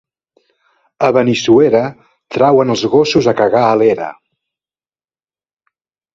A Benissuera trauen els gossos a cagar a l'era.